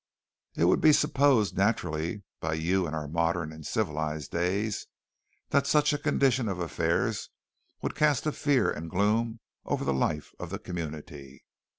It would be supposed, naturally, by you in our modern and civilized days, that such a condition of affairs would cast a fear and gloom over the life of the community.